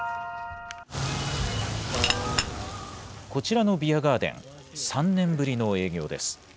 こちらのビアガーデン、３年ぶりの営業です。